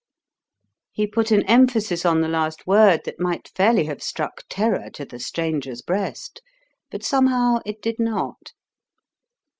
He put an emphasis on the last word that might fairly have struck terror to the stranger's breast; but somehow it did not.